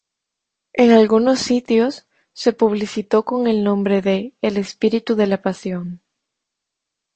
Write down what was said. En algunos sitios se publicitó con el nombre de "El espíritu de la pasión".